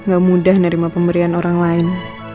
gak mudah menerima pemberian orang lain